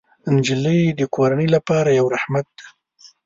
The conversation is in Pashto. نجلۍ د کورنۍ لپاره یو رحمت دی.